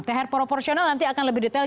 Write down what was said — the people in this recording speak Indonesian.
thr proporsional nanti akan lebih detail